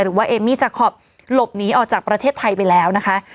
เอมมี่จาคอปหลบหนีออกจากประเทศไทยไปแล้วนะคะ